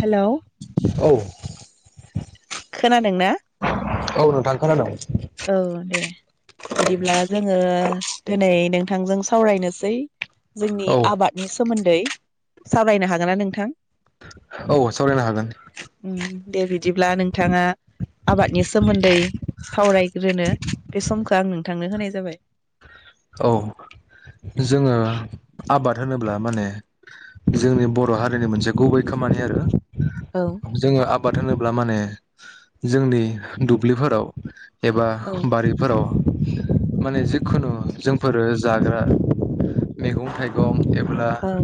Hello औ खोनादों ना औ नोंथां खोनादों औ दे बिदिब्ला जोङो दिनै नोंथांजों सावरायनोसै जोंनि औ आबादनि सो सोमोन्दै सावरायनो हागोनना नोंथां औ सावरायनो हागोन उम दे बिदिब्ला नोंथाङा आबादनि सोमोन्दै सावराय ग्रोनो बे समखौ आं नोंथांनो होनाय जाबाय औ जोङो आबाद होनोब्ला माने जोंनि बर' हारिनि मोनसे गुबै खामानि आरो औ जोङो आब बाद होनोब्ला माने जोंनि दुब्लिफोराव एबा औ बारिफोराव माने जिखुनु फोरो जाग्रा मैगं थाइगं एबा ब्ला औ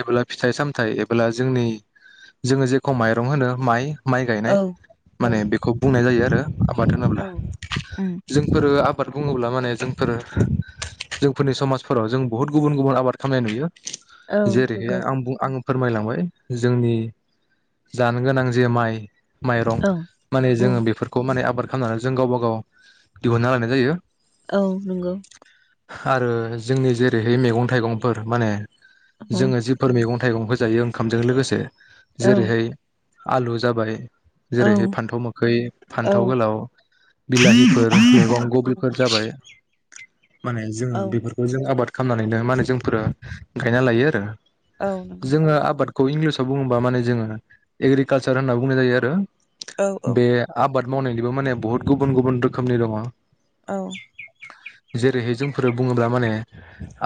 एब्ला फिथाइ सामथायाइ एबोब्ला जोंनि जोङो जेखौ माइरं होनो माइ माइ गायनाय औ औ माने बेखौ बुंनाय जायो आरो आबाद होनोब्ला औ उम जोंफोरो आ बाद बुङोब्ला माने जोंफोर जोंफोरनि समाजफोराव जों बुहुत गुबुन गुबुन आबाद खामनाय नुयो औ जेरैहाय नंगौ आं बुं आं फोरमायलांबाय जोंनि जानो गोनां जे माइ माइरं औ माने उम जोङो बेफोरखौ माने आबाद खामलाना जों गावबा गाव दिहुनना लायनाय जायो औ नंगौ आरो जोंनि जेरैहाय मैगं थाइगंफोर माने उम जोङो जिफोर मैगं मैगंबो जायो ओंखामजों लोगोसे औ जेरैहाय आलु जाबाय औ जेरैहाय फान्थाव मोखै औ फान्थाव गोलाव बिलाहिफोर मैगं गबि जाबाय माने जोङो औ बेफोरखौ जों आबाद खालामनानैनो माने जोंफोरा गायना लायो आरो औ नंगौ जोङो आबाद खौ इंलिसाव बुङोबा माने जोङो एग्रिकालसार होनना बुंनाय जायो आरो औ बे आबाद मावनायनिबो माने बहुत गुबुन गुबुन रोखोमनि दङ औ जेरैहाय जोंफोरो बुङोब्ला माने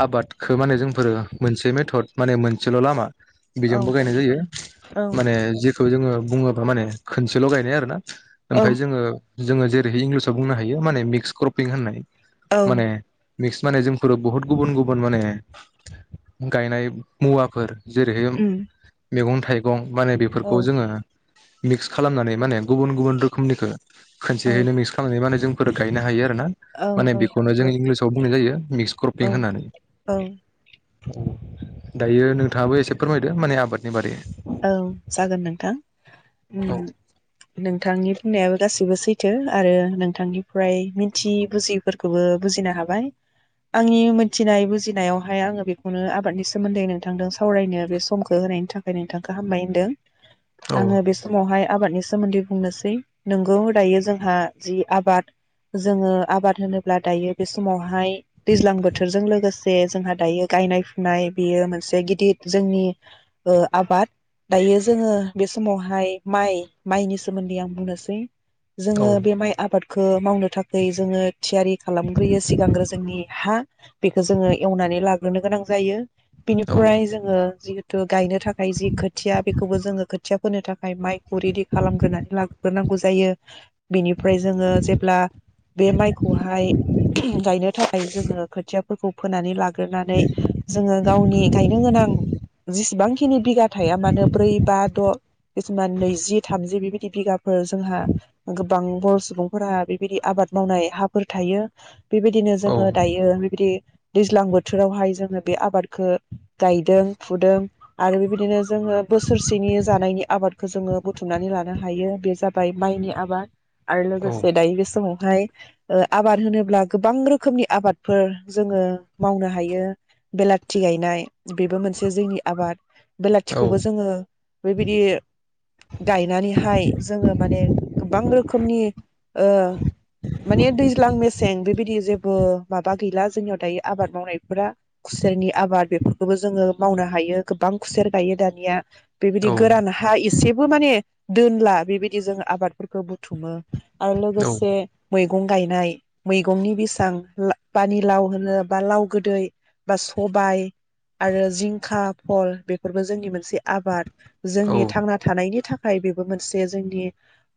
आबादखौ माने जोंफोरो मोनसे मेथद माने मोनसेल' लामा बेजोंबो गायनाय जायो माने औ जि खौ जोङो बुङोब्ला माने खनसेल' गायनाय आरो ना ओमफाय जोङो जोङो जेरै इंलिसाव बुंनो हायो माने मिक्सख्रुब पिं होननाय औ माने मिक्स माने जोंफोरो बुहुत गुबुन गुबुन माने गायनाय मुवाफोर जेरैहाय उम मैगं थाइगं माने औ बेफोरखौ जोङो मिक्स खालामनानै माने गुबुन गुबुन रोखोमनिखौ औ खनसेहैनो मिक्स खालामनाय मानो जों फोर गायनो हायो आरो ना औ माने औ बेखौनो जों नंगौ इंलिसाव बुंनाय जायो मिक्स क्रपिं औ होनानै औ दायो नोंथाङाबो एसे फोरमायदो माने आबादनि बारै औ जागोन नोंथां औ उम नोंथांनि बुंनायाबो गासैबो सैथो आरो नोंथांनिफ्राय मिथियि बुजिफोरखौबो बुजिनो हाबाय आंनि मिथिनाय बुजिनायावहाय आङो बेखौनो आबादनि सोमोन्दै नोंथांजों सावरायनो बे समखौ होनायनि थाखाय नोंथां गाहामबाय होनदों औ आङो बे समावहाय आबादनि सोमोन्दै बुंनोसै नोंगौ दायो जोंहा जि आबाद जोङो आबाद होनोब्ला दायो बे समावहाय दैज्लां बोथोरजों लोगोसे जोंहा दायो गायनाय फुनाय बेयो मोनसे गिदिर जोंनि आबाद दायो जोङो बे समावहाय माइ माइनि सोमोन्दै आं बुंनोसै औ जोङो बे माइ आबाद खो मावनो थाखै जोङो थियारि खालामग्रोयो सिगांग्रो जोंनि हा बेखौ जोङो एवनानै लाग्रोनो गोनां जायो। बिनिफ्राय जोङो जि गायनो थाखाय जि खो दा बेखौबो जोङो खोथिया फोनो थाखाय माइखौ रेडि खालामग्रोनानै लाग्रोनांगौ जायो। बेनिफ्राय जोङो जेब्ला बे माइखौहाय गायनो थाखाय जोङो खोथिया फोरखौ फोनानै लाग्रोनानै जोङो गावनि गायनो गोनां जेसेबांखिनि बिगा थाया मानो ब्रै बा द' किसुमान नैजि थामजि बेबायदि बिगाफोर जोंहा गोबां बर' सुबुंफोरा बेबायदि आबाद मावनाय हाफोर थायो। बेबायदिनो औ जोङो दायो बेबायदि दैज्लां बोथोरावहाय जोङो बे आबादखौ गायदों-फुदों आरो बेबायदिनो जोङो बोसोरसेनि जानायनि आबादखौ जोङो बुथुमनानै लानो हायो बे जाबाय माइनि आबाद। आरो लोगोसे दायो बे समाव आबाद होनोब्ला गोबां रोखोमनि आबादफोर जोङो मावनो हायो। बेलाथि गायनाय बेबो मोनसे जोंनि आबाद। बेलाथिखौबो जोङो बेबायदि गायनानैहाय जोङो माने गोबां रोखोमनि माने दैज्लां मेसें बेबायदि जेबो माबा गैला जोंनियाव दायो आबाद मावनायफोरा। खुसेरनि आबाद बेफोरखौबो जोङो मावनो हायो गोबां खुसेर गायो दानिया। बेबायदि गोरान हा एसे बो माने दोनला बेबायदि जों आबादफोरखौ बुथुमो। आरो लोगोसे मैगं गायनाय, मैगंनि बैसां पानिलाव होनो बा लाव गोदै बा सबाय आरो जिंखा फल बे फोरबो जोंनि मोनसे आबाद। औ जोंनि थांना थानायनि थाखाय बेबो मोनसे जोंनि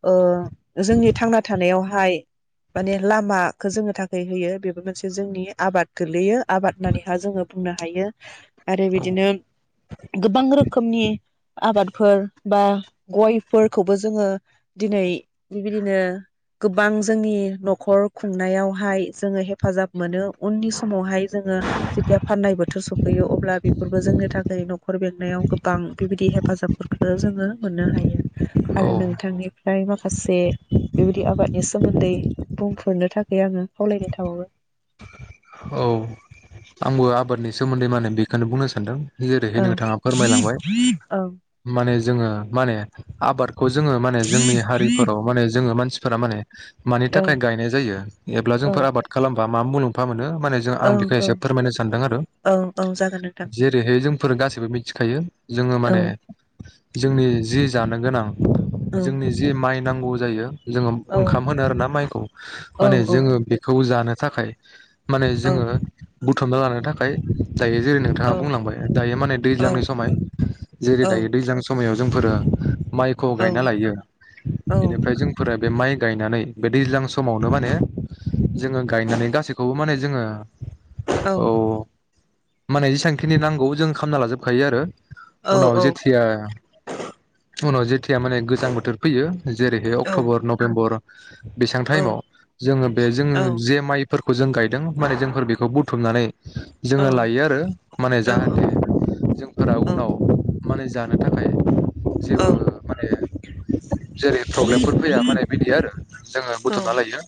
ओ जोंनि थांना थानायावहाय माने लामाखौ जोंनो थाखाय होयो बेबो मोनसे जोंनि आबाद गोलैयो। आबाद होननानै जोङो बुंनो हायो आरो औ बिदिनो गोबां रोखोमनि आबादफोर बा गयफोरखौबो जोङो दिनै बिदिनो गोबां जोंनि न'खर खुंनायावहाय जोङो हेफाजाब मोनो। उननि समावहाय जोङो जेखिया फाननाय बोथोर सफैयो अब्ला बेफोरबो जोंनि थाखाय न'खर बेंनायाव गोबां बेबायदि हेफाजाबफोरखौ जोङो मोननो हायो। आरो औ नोंथांनिफ्राय माखासे बेबायदि आबादनि सोमोन्दै बुंफोरनो थाखाय आङो खावलायनाय थाबावबाय। औ आंबो आबादनि सोमोन्दै मा होनो बेखौनो बुंनो सान्दों जेरैहाय नोंथाङा फोरमायलांबाय माने जोङो माने आबाद खौ जोङो माने जोंनि हारिफोराव माने जोङो मा मानसिफोरा माने मानि औ थाखाय गायनाय जायो एब्ला जोंफोर औ आबाद खालाम बा मा मुलामफा मोनो माने जों आं बिखौ औ एसे फोरमायनो सानदोंआरो। ओं ओं जागोन नोंथां जेरैहाय जों फोर गासैबो मिथिखायो। जोङो औ माने जोंनि जि जानो गोनां औ जोंनि जि माइ नांगौ जायो जोङो औ ओंखाम होनो आरोना माइखौ औ माने औ जोङो बेखौ जानो थाखाय माने औ जोङो बुथुमना लानो थाखाय दायो जेरै नोंथाङा औ बुंलांबाय दायो माने औ दैज्लांनि समय जेरै दायो दैजांनि समायाव जोंफोरो माइखौ औ गायना लायो बेनिफ्राय जोंफोरा बे माइ गायनानै बे दैज्लां समावनो माने जोङो गायनानै गासैखौबो माने जोङो औ माने जेसांखिनि नांगौ जों खालामना लाजोबखायो आरो औ औ उनावजिथिया उनाव जेथिया माने गोजां बोथोर फैयो जेरैहाय अक्ट'बर नभेम्बर बेसेबां टाइमाव जोङो बे जोङो औ जे माइ फोरखौ जों गायदों माने जोंफोर बे बेखौ बुथुमनानै जोङो लायो आरो माने जाहाथे जोंफोरा उनाव माने जानो थाखाय जेबो माने जेरै प्रब्लेमफोर फैया माने बिदि आरो जोङो बुथुमना लायो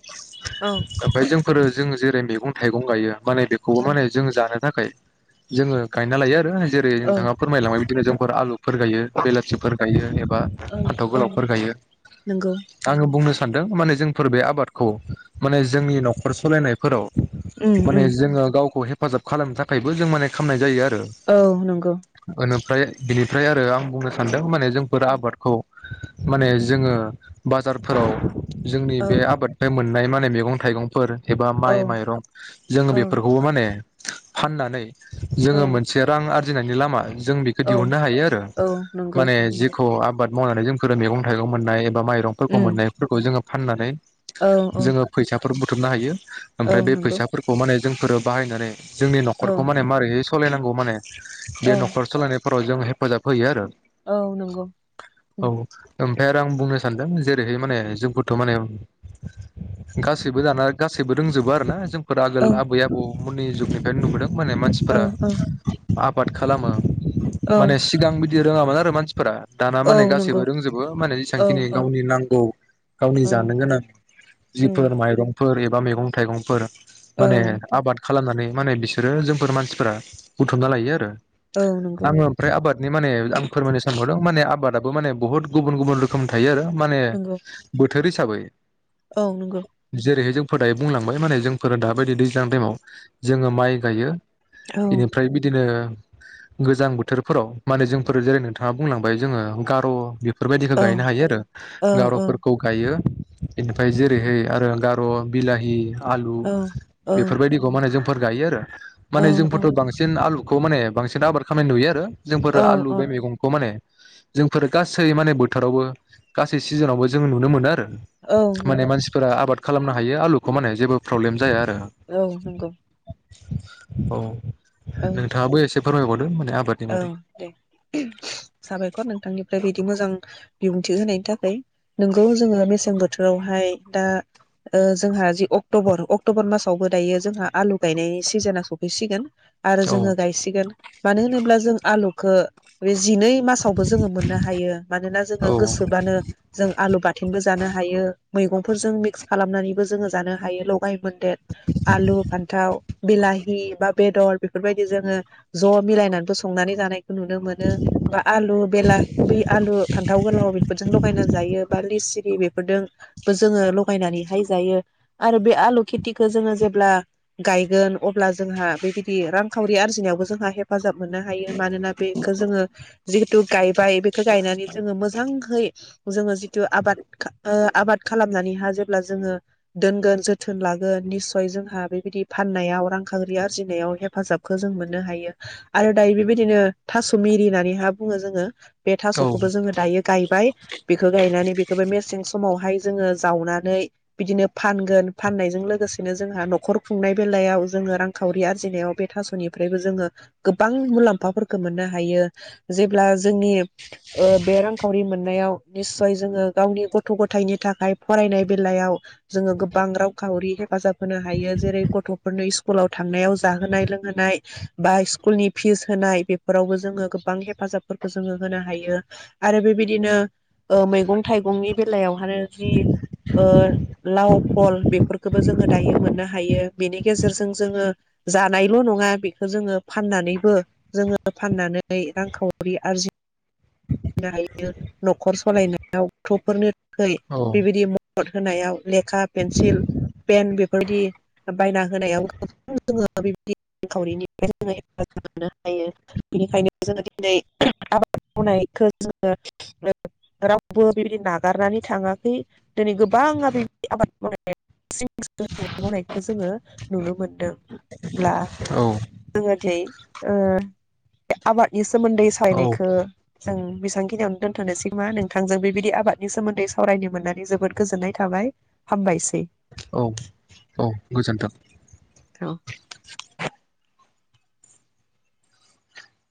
ओमाय जों फोरो जोङो जेरै मैगं थाइगं गायो माने बेखौबो माने जों जानो थाखाय जोङो गायना लायो आरो जेरै औ औ नोंथाङा फोरमायलांबाय [unintelligible] आलु फोर गायो बेलाथिफोर गायो एबा फान्थाव औ गोलावफोर गायो नंगौ आङो बुंनोसै सानदों माने जोंफोर बे आबादखौ माने जोंनि न'खर सलायनायफोराव उम माने उम जोङो गावखौ हे हेफाजाब खालामनो थाखायबो जों माने खालामनाय जायो आर औ नंगौ ओमफ्राय बिनिफ्राय आरो आं बुंनो सानदों माने जोंफोर औ आबादखौ माने जोङो बाजारफोराव जोंनि औ बे आबाद बे मोन मोननाय माने मैगं थाइगंफोर एबा औ माइ माइरं जोङो औ बेफोरखौबो माने फाननानै औ जोङो मोनसे रां आरो गिनायनि लामा जों बेखौ औ दिहुननो हायो आरो औ नंगौ माने नंगौ जेखौ आबाद मावनानै जोंफोर मैगं थाइगं मोननाय माइरंफोरखौ उम मोननायफोरखौ जोङो फाननानै औ औ जोङो फैसा दर बुथुमनो हायो औ ओमफ्राय बे नंगौ फैसा नाय जोंफोरो बाहायनानै जोंनि औ न'खरखौ माने मारैहै सलायनांगौ माने बे औ न'खर सलायनाय रजों हेफाजाब होयो आरो औ नंगौ औ उम ओमफ्राय आरो आं बुंनो सानदों जेरैहाय माने जोंखौथ माने गासैबो दाना गासैबो रोंजोबो आरोना जों। आगोल औ आबै आबौ मननि जुगनिफ्रायनो नुबो मोनदों। माने औ मानसिफोरा औ आबाद खालामो। माने सिगां बिदि दि रोङामोन आरो मानसिफोरा। दाना माने औ नंगौ गासैबो रोंजोबो माने औ जेसेबांखिनि औ गावनि नांगौ गावनि औ जानो गोनां उम जिफोर माइरं फोर एबा मैगं थाइगंफोर। माने ओं आबाद खालामनानै माने बिसोरो जोंफोर मानसिफोरा बुथुमना लायो आरो औ नंगौ आङो ओमफ्राय आबादनि माने आं फोरमायनो सानबावदों माने आबाद माने बहुत गुबुन गुबुन रोखोम थायो आरो माने नंगौ गु बोथोर हिसाबै। औ नंगौ फदायै बुंलांबाय माने जों फोरो दा बेायदि दैज्लां टाइमाव जोङो माइ गायो। औ बेनिफ्राय बिदिनो गोजां बोथोरफोराव माने जोंफोरो जेरै नोंथाङा बुंलांबाय जोङो गार बि फोरबायदिखौ औ गायनो हायो आरो औ औ गारफोरखौ गायो। बेनिफ्राय जेरैहाय आरो गार बिलाहि आलु। औ औ बेफोरबायदिखौ माने जों फोर गायो आरो माने औ जोंफोरथ बांसिन आलुखौ माने बांसिन आबाद खामायनाय नुयो आरो। जोंफोर औ आलु औ बे मैगंखौ माने जोंफोर गासै माने बोथोरावबो गासै सिजोनावबो जों नुनो मोनो आरो। औ माने नंगौ मानसिफोरा आबाद खालामना। हायो आलुखौ माने जेबो प्रब्लेम जाया। आरो औ नंगौ। औ। औ नोंथाङाबो एसे फोरमायहर औ दे साबायखर नोंथांनिफ्राय बिदि मोजां बिबुंथि होनायनि थाखाय नोंगौ जोंङो मेसें बोथोरावहाय दा ओ जोंहा जि अक्ट'बर अक्ट'बर मासावबो दायो जोंहा आलु गायनायनि सिजोना सफैसिगोन। आरो औ जोंङो गायसिगोन मानोहोनो जों आलुखौ रि जिनै मासावबो जोंङो मोननो हायो मानोना जोंङो औ गोसोबानो जों आलु बाथोनबो जानो हायो। मैगंफोरजों मिक्स खालामनानैबो जोंङो जानो हायो लगाय मोन्देर। आलु फान्थाव। बिलाहि बा बेदर बेफोरबायदि जोंङो। ज' मिलायनानै संनानै जानाय। नुनो मोनो बा आलु बेला आलु फान्थाव गोलाव बेफोरजों ल गायना जायो बा लिसिरि बेफोरदों जोंङो लगायनानैहाय जायो आरो बे आलु खेथिखौ जोंङो जेब्ला गायगोन अब्ला जोंहा बेबायदि रांखावरि आरजिनायावबो जोंहा हेफाजाब मोननो हायो मानोना बेखौ जोंङो जिहेथु गायबाय बेखौ गायनानै जोंङो मोजांहै जोंङो जिथु आबाद खा ओ आबाद खालामनानै हा जेब्ला जोंहा जेब्ला जोंङो दोनगोन जोथोन लागोन निसय जोंहा बेबायदि फाननायाव रांखावरि आरजिनायाव हेफाजाबखौ जों मोननो हायो। आरो दायो बेबायदिनो थास' मिरि होननानै हा बुंङो जोंङो। बे औ थास'खौबो जोंङो दायो गायबाय बेखौ गायनानै बेखौबो मेसें समावहाय जोंङो जावनानै बिदिनो फानगोन फाननायजों लोगोसेनो जोंहा न'खर खुंनाय बेलायाव जोंङो रांखावरि आरजिनायाव बे थास'निफ्रायबो जोंङो गोबां मुलाम्फाफोरखौ मोननो हायो जेब्ला जोंनि ओ बे रांखावरि मोननायाव निस्सय जोंङो गावनि गथ' गथायनि थाखाय फरायनाय बेलायाव जोंङो गोबां रांखावरि हेफाजाब होनो हायो जेरै गथ'फोरनो स्कुलाव थांनायाव जाहोनाय लोंहोनाय बा स्कुलनि फिस होनाय बेफोरावबो जोंङो गोबां हेफाजाबफोरखौ जोंङो होनो हायो आरो बेबायदिनो ओ मैगं-थाइगंनि बेलायावहा जि ओ लाव फल बेफोरखौबो जोंङो दायो मोननो हायो बेनि गेजेरजों जोंङो जानायल' नंङा बेखौ जोंङो फाननानैबो जोंङो फाननानै रांखावरि आरजिनो हायो न'खर सलायनायाव गथ'फोरनो है बेबायदि नट होनायाव लेखा पेन्सिल पेन बेफोरदि बायना होनायाव गोबां जोंङो बेदि रांखावरिनि जोङो हेफाजाब मोननो हायो बेनिखायनो जोंङो दिनै आबाद मावनायखौ जोंङो रावबो बेबायदि नागारनानै थांङाखै दिनै गोबांङा बेबायदि आबाद मावनाय बांसिन गोसो होनानै मावनायखौ जोंङो नुनो मोनदों अब्ला औ। ओ आबादनि सोमोन्दै सोमोन्दै औ सावरायनायखो जों बेसां खिनियावनो दोनथ'नोसै नामा नोंथांजों बेबायदि आबादनि सोमोन्दै सावरायनो मोननानै जोबोद गोजोननाय थाबाय हामबायसै। औ गोजोन्थों। औ।